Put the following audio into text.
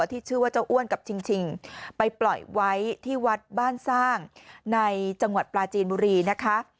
ที่ชื่อว่าเจ้าอ้วนกับชิงไปปล่อยไว้ที่วัดบ้านสร้างในจังหวัดปลาจีนบุรีนะคะ